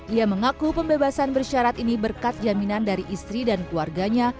ia mengaku pembebasan bersyarat ini berkat jaminan dari istri dan keluarganya